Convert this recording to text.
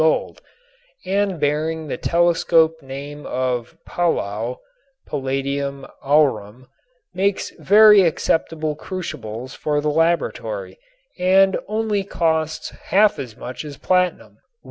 gold, and bearing the telescoped name of "palau" (palladium au rum) makes very acceptable crucibles for the laboratory and only costs half as much as platinum.